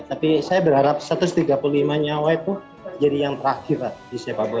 tapi saya berharap satu ratus tiga puluh lima nyawa itu jadi yang terakhir lah di siapapun